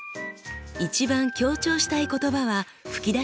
一番強調したい言葉は吹き出しに書きます。